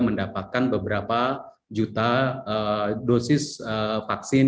mendapatkan beberapa juta dosis vaksin